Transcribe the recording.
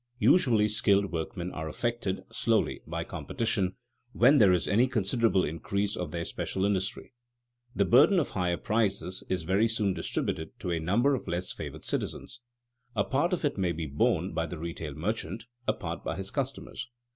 Usually skilled workmen are affected slowly by competition when there is any considerable increase of their special industry. The burden of higher prices is very soon distributed to a number of less favored citizens. A part of it may be borne by the retail merchant, a part by his customers.